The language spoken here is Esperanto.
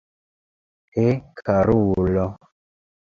He, karulo!